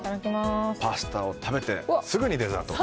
パスタを食べてすぐにデザート。